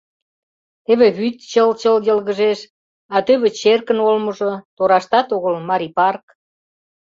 Теве вӱд чыл-чыл йылгыжеш, а тӧвӧ черкын олмыжо, тораштат огыл — Марий парк.